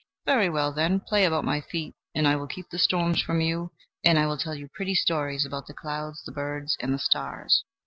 Very well, then; play about my feet, and I will keep the storms from you and will tell you pretty stories about the clouds, the birds, and the stars."